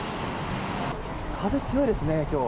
風、強いですね、今日。